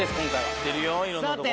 行ってるよいろんなとこ。